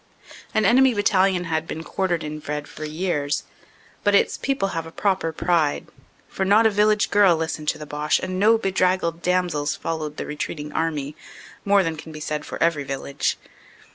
An enemy battalion had been quartered in Vred for years, but its people have a proper pride, for not a village girl listened to the Boche and no bedraggled damsels followed the retreating army more than can be said for every village.